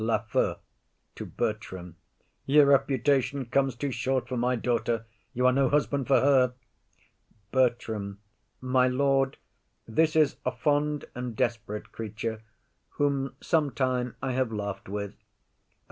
LAFEW. [To Bertram] Your reputation comes too short for my daughter; you are no husband for her. BERTRAM. My lord, this is a fond and desperate creature Whom sometime I have laugh'd with.